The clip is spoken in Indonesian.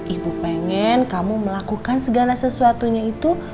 ibu pengen kamu melakukan segala sesuatunya itu